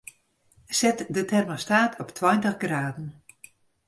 Set de termostaat op tweintich graden.